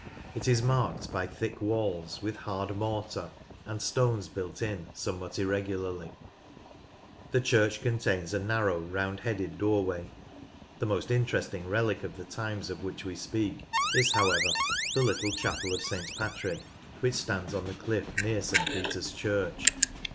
It is marked by thick walls, with hard mortar, and stones built in somewhat Early English Doorway of Norman type, Gressingham Church irregularly. The church contains a narrow round headed doorway. The most interesting relic of the times of which we speak is, however, the little chapel of St Patrick which stands on the cliff near St Peter's Church.